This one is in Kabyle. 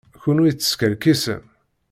Kenwi teskerkisem.